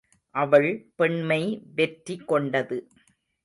அவள் பெண்மை வெற்றி கொண்டது.